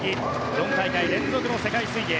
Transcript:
４大会連続の世界水泳。